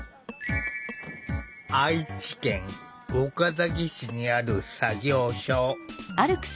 愛知県岡崎市にある作業所。